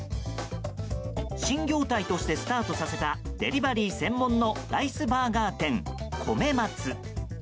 新業態としてスタートさせたデリバリー専門のライスバーガー店、こめ松。